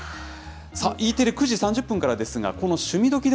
さあ、Ｅテレ、９時３０分からですけれども、この趣味どきっ！